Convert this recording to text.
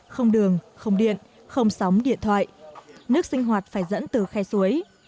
không đường không điện không sóng điện thoại nước sinh hoạt phải dẫn từ khe suối